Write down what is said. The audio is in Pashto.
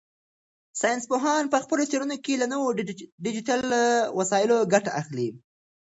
ساینس پوهان په خپلو څېړنو کې له نویو ډیجیټل وسایلو ګټه اخلي.